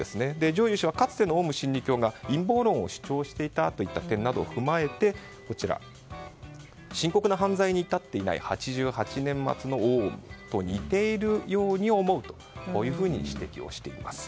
上祐代表はかつてのオウム真理教が陰謀論を言っていた過去を踏まえて深刻な犯罪に至っていない８８年末のオウムと似ているように思うと指摘しています。